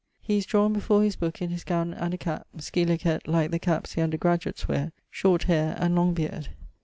He is drawne before his booke in his gowne and a cap (scilicet, like the cappes the undergraduates weare), short haire and long beard.